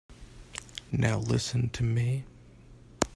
Now listen to me.